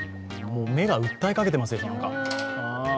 目が訴えかけてますよ、なんか。